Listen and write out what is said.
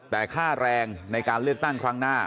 แต่ค่าแรงในการเลือกตั้งครั้งหน้า